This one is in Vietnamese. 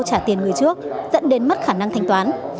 mạnh đã trả tiền người trước dẫn đến mất khả năng thanh toán